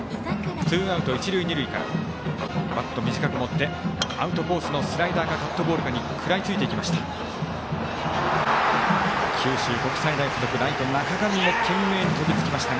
ツーアウト、一塁二塁からバット短く持ってアウトコースのスライダーかカットボールかに食らいついていきました。